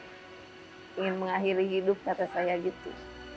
tadinya saya putus asa ingin mengakhiri hidup kata saya gitu